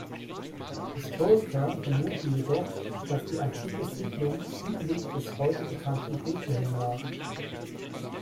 Historiker vermuten jedoch, dass die antike Siedlung südlich des heute bekannten Bethlehem lag.